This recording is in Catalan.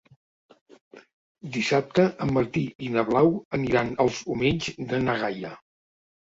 Dissabte en Martí i na Blau aniran als Omells de na Gaia.